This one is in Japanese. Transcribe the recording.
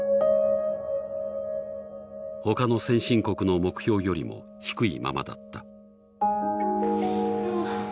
ほかの先進国の目標よりも低いままだった。